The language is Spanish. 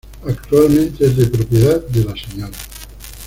Actualmente es de propiedad de la Sra.